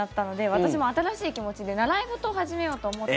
私も新しい気持ちで習い事を始めようと思って。